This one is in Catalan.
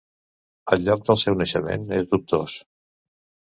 El lloc del seu naixement és dubtós.